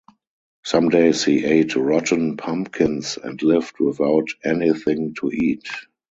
Some days he ate rotten pumpkins and lived without anything to eat.